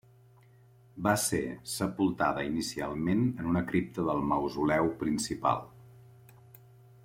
Va ser sepultada inicialment en una cripta del Mausoleu principal.